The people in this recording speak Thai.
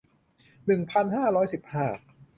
หนึ่งพันห้าร้อยสิบห้า